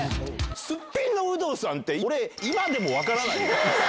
すっぴんの有働さんって、俺、今でも分からない。